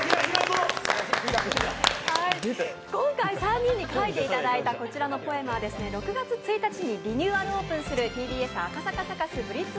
今回３人に書いていただいたこちらのポエムは６月１日にリニューアルオープンするＴＢＳ赤坂サカスＢＬＩＴＺ